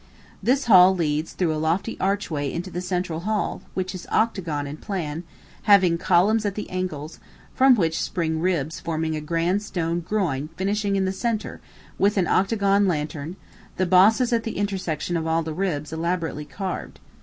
"This hall leads through a lofty archway into the central hall, which is octagon in plan, having columns at the angles, from which spring ribs forming a grand stone groin finishing in the centre, with an octagon lantern, the bosses at the intersections of all the ribs elaborately carved.